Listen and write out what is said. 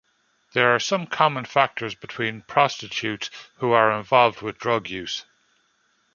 There are some common factors between prostitutes who are involved with drug use.